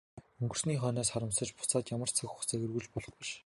Өнгөрсний хойноос харамсавч буцаад ямар цаг хугацааг эргүүлж болох биш.